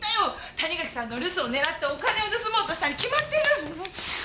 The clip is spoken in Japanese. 谷垣さんの留守を狙ってお金を盗もうとしたに決まってる！